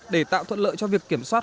để tạo thuận lợi cho việc kiểm soát